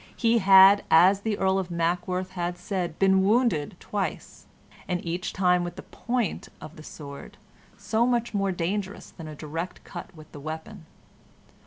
He had, as the Earl of Mackworth had said, been wounded twice, and each time with the point of the sword, so much more dangerous than a direct cut with the weapon.